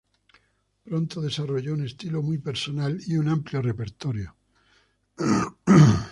Pronto desarrolló un estilo muy personal y un amplio repertorio.